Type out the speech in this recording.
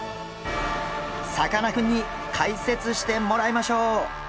さかなクンに解説してもらいましょう！